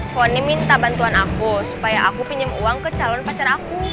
foni minta bantuan aku supaya aku pinjam uang ke calon pacar aku